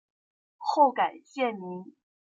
后改现名。